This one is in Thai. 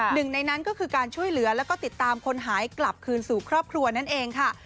หนึ่งในนั้นก็คือการช่วยเหลือแล้วก็ติดตามคนหายกลับคืนสู่ครอบครัวนั่นเองค่ะ